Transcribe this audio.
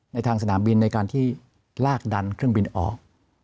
ทางสนามบินในการที่ลากดันเครื่องบินออก